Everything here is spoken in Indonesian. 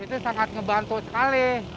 itu sangat ngebantu sekali